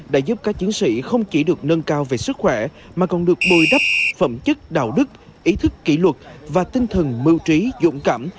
đã giúp các chiến sĩ không chỉ được nâng cao về sức khỏe mà còn được bồi đắp phẩm chất đạo đức ý thức kỷ luật và tinh thần mưu trí dũng cảm